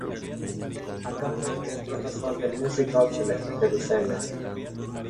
Actualmente es profesor del Musikhochschule de Lucerna.